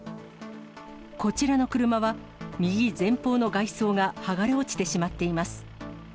こちらの車は、右前方の外装が剥がれ落ちてしまっています。